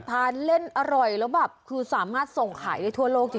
ทานเล่นอร่อยแล้วแบบคือสามารถส่งขายได้ทั่วโลกจริง